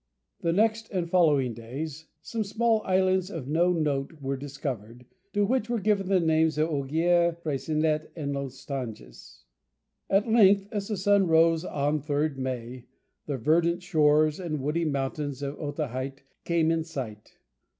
The next and following days some small islands of no note were discovered, to which were given the names of Augier, Freycinet, and Lostanges. At length, as the sun rose on the 3rd May, the verdant shores and woody mountains of Otaheite came in sight.